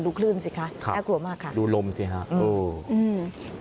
ดูคลื่นสิคะแอบกลัวมากค่ะดูลมสิค่ะอืม